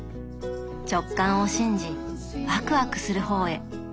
直感を信じワクワクする方へ。